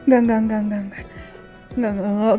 gak gak gak gak gak